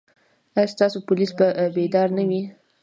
ایا ستاسو پولیس به بیدار نه وي؟